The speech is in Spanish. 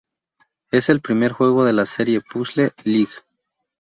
Es el primer juego de la serie "Puzzle League".